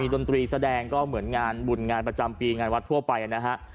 ดนตรีแสดงก็เหมือนงานบุญงานประจำปีงานวัดทั่วไปนะฮะ